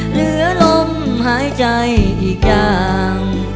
เหลือลมหายใจอีกอย่าง